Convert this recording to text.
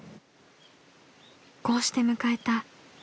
［こうして迎えた